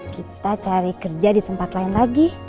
kita cari kerja di tempat lain lagi